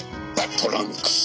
トランクス。